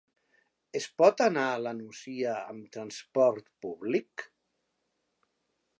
Es pot anar a la Nucia amb transport públic?